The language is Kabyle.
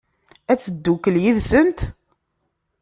Ad teddukel yid-sent?